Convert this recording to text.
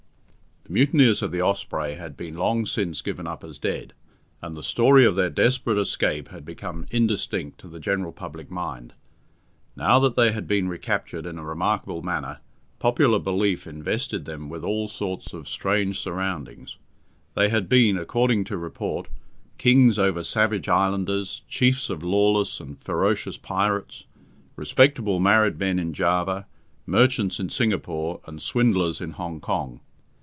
The mutineers of the Osprey had been long since given up as dead, and the story of their desperate escape had become indistinct to the general public mind. Now that they had been recaptured in a remarkable manner, popular belief invested them with all sorts of strange surroundings. They had been according to report kings over savage islanders, chiefs of lawless and ferocious pirates, respectable married men in Java, merchants in Singapore, and swindlers in Hong Kong.